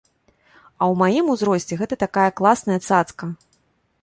А ў маім узросце гэта такая класная цацка.